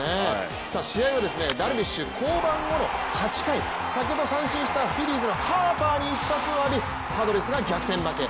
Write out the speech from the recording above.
試合はダルビッシュ降板後の８回、先ほど三振したフィリーズのハーパーに一発を浴びパドレスが逆転負け